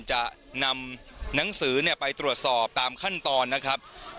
จะนำหนังสือไปตรวจสอบตามขั้นตอนนะครับ